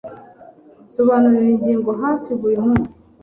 Nsobanura ingingo hafi buri munsi.